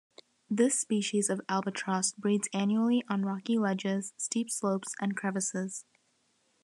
This species of albatross breeds annually on rocky ledges, steep slopes, and crevices.